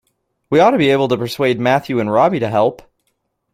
We ought to be able to persuade Matthew and Robbie to help.